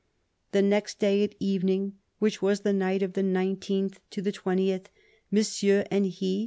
" The next day at evening, which was the night of the 19th to the 20th, Monsieur and he (M.